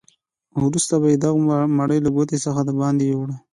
وروسته به یې دغه مړی له کوټې څخه دباندې یووړ.